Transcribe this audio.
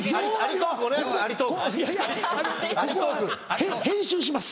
ここ編集します。